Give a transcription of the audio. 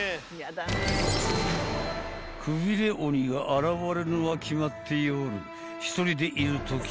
［くびれ鬼が現れるのは決まって］